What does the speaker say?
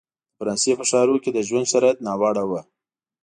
د فرانسې په ښارونو کې د ژوند شرایط ناوړه وو.